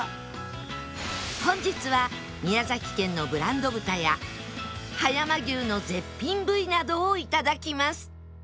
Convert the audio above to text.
本日は宮崎県のブランド豚や葉山牛の絶品部位などをいただきます